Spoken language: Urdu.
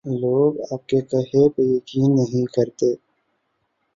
لو گ آپ کے کہے پہ یقین نہیں کرتے۔